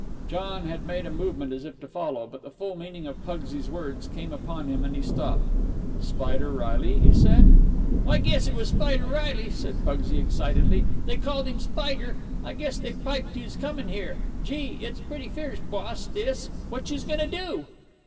John had made a movement as if to follow, but the full meaning of Pugsy's words came upon him and he stopped. "Spider Reilly?" he said. "I guess it was Spider Reilly," said Pugsy, excitedly. "Dey called him Spider. I guess dey piped youse comin' in here. Gee! it's pretty fierce, boss, dis! What youse goin' to do?"